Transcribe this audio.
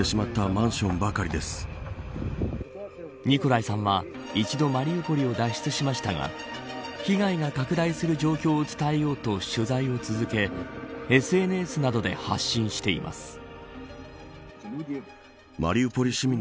ニコライさんは一度マリウポリを脱出しましたが被害が拡大する状況を伝えようと取材を続けＳＮＳなどで発信しています。